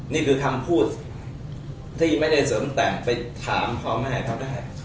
นี่คือคำพูดที่ไม่ได้เสริมแต่งไปถามพ่อแม่เขาได้